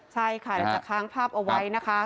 ใช่ค่ะเราจะค้างภาพเอาไว้นะคะ